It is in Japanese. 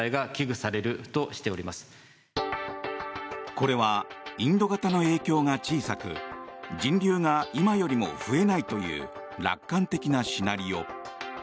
これはインド型の影響が小さく人流が今よりも増えないという楽観的なシナリオ。